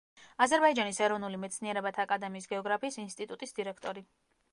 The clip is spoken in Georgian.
აზერბაიჯანის ეროვნული მეცნიერებათა აკადემიის გეოგრაფიის ინსტიტუტის დირექტორი.